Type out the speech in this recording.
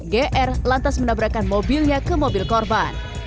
gr lantas menabrakan mobilnya ke mobil korban